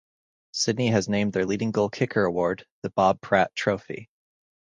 Sydney has named their Leading Goal kicker Award the "Bob Pratt Trophy".